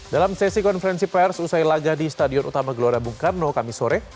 dalam sesi konferensi pers usai laga di stadion utama gelora bung karno kamisore